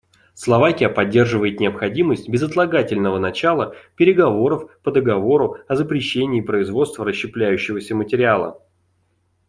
Словакия поддерживает необходимость безотлагательного начала переговоров по договору о запрещении производства расщепляющегося материала.